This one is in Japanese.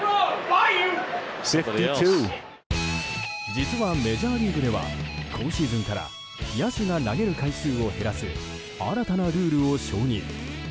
実はメジャーリーグでは今シーズンから野手が投げる回数を減らす新たなルールを承認。